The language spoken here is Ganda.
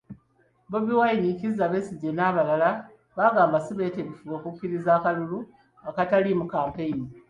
Bobi Wine, Kizza Besigye, n'abalala bagamba sibeetegefu kukkiriza kalulu akataliimu kampeyini.